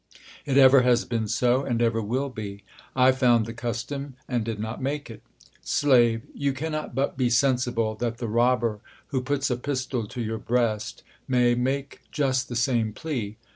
It ever has bee.: so, and ever v.^ill be. 1 found the custom, and did iK)t ir.ake it. Slavt. You cannot but be FCiksible, that the robber who puts a pistol to your breast may make just, the same plea.